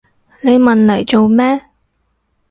你問嚟做咩？